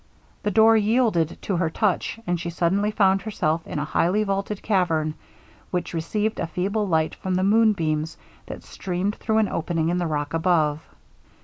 The door yielded to her touch, and she suddenly found herself in a highly vaulted cavern, which received a feeble light from the moon beams that streamed through an opening in the rock above.